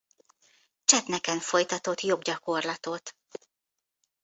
Csetneken folytatott joggyakorlatot.